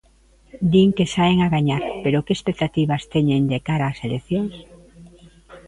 Din que saen a gañar, pero que expectativas teñen de cara ás eleccións?